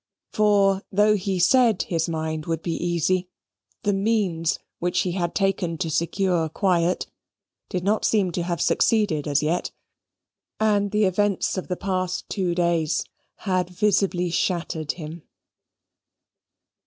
For though he said his mind would be easy, the means which he had taken to secure quiet did not seem to have succeeded as yet, and the events of the past two days had visibly shattered him.